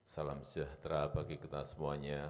salam sejahtera bagi kita semuanya